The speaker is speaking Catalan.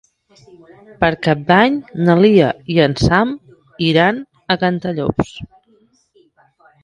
Per Cap d'Any na Lia i en Sam iran a Cantallops.